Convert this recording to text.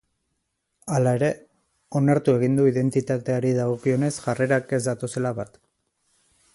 Hala ere, onartu egin du identitateari dagokionez jarrerak ez datozela bat.